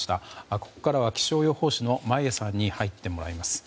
ここからは気象予報士の眞家さんに入ってもらいます。